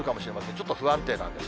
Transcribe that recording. ちょっと不安定なんです。